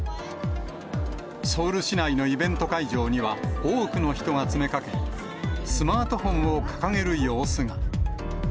ソウル市内のイベント会場には、多くの人が詰めかけ、スマートフォンを掲げる様子が。